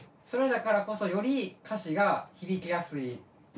それだからこそより歌詞が響きやすい。